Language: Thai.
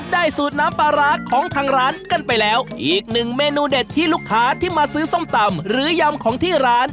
สูตรน้ำปลาร้าของทางร้านกันไปแล้วอีกหนึ่งเมนูเด็ดที่ลูกค้าที่มาซื้อส้มตำหรือยำของที่ร้าน